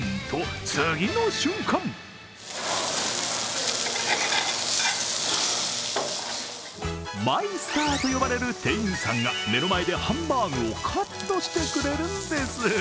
と次の瞬間マイスターと呼ばれる店員さんが目の前でハンバーグをカットしてくれるんです。